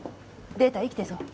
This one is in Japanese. データ生きてそう？